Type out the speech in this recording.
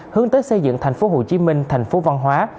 hướng tới xây dựng tp hcm thành phố văn hóa